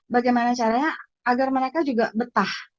bagaimana caranya agar mereka juga betah